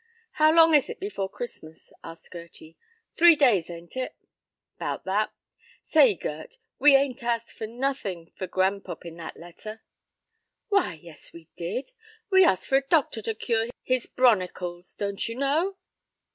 "How long is it before Christmas?" asked Gerty. "Three days, ain't it?" "'Bout that. Say, Gert, we ain't ast fur nothin' fur grandpop in that letter." "Why, yes, we did. We ast fur a doctor to cure his bronicles. Don't you know?"